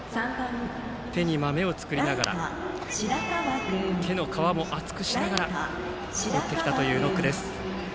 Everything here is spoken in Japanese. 手にまめを作りながら手の皮を厚くしながら打ってきたというノックです。